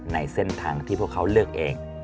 ในเส้นทางที่พวกเขาเลือกเอง